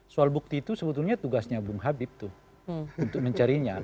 soal bukti itu sebetulnya tugasnya bung habib tuh untuk mencarinya